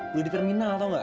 udah dicomunal tau nggak